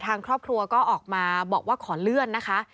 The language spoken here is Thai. ทางครอบครัวก็ออกมาบอกว่าขอเลื่อนนะคะ